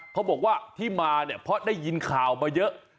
เขาบอกว่าที่มาเนี่ยเพราะได้ยินข่าวมาเยอะ